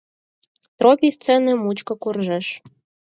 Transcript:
Тропий сцене мучко куржеш.